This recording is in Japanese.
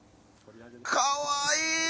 かわいい！